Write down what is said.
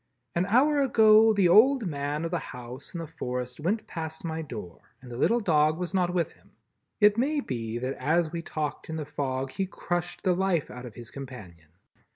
"An hour ago the old man of the house in the forest went past my door and the little dog was not with him. It may be that as we talked in the fog he crushed the life out of his companion.